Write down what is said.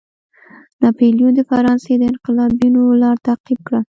ناپلیون د فرانسې د انقلابینو لار تعقیب کړه.